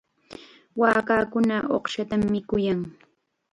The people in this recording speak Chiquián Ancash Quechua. Waakakuna uqshatam mikuyan.